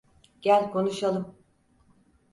Gel konuşalım.